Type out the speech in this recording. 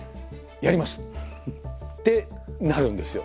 「やります！」ってなるんですよ。